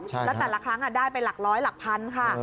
แล้วแต่ละครั้งได้ไปหลักร้อยหลักพันค่ะ